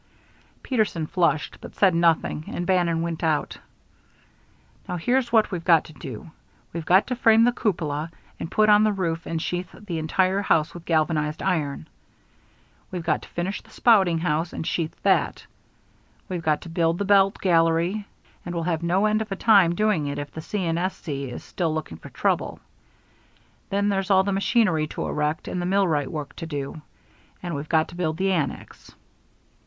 Peterson flushed, but said nothing, and Bannon went on: "Now, here's what we've got to do. We've got to frame the cupola and put on the roof and sheathe the entire house with galvanized iron; we've got to finish the spouting house and sheathe that; we've got to build the belt gallery and we'll have no end of a time doing it if the C. & S. C. is still looking for trouble. Then there's all the machinery to erect and the millwright work to do. And we've got to build the annex."